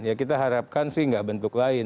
ya kita harapkan sih nggak bentuk lain